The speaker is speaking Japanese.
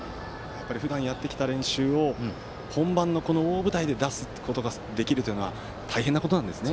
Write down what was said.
ふだんやってきた練習を本番の大舞台で出すことができるというのは大変なことなんですね。